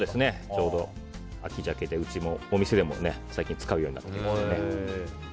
ちょうど秋鮭でうちのお店でも最近使うようになってきています。